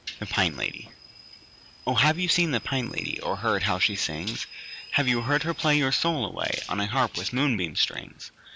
THE PINE LADY O have you seen the Pine Lady, Or heard her how she sings? Have you heard her play Your soul away On a harp with moonbeam strings?